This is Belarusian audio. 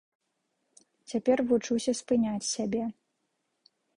Цяпер вучуся спыняць сябе.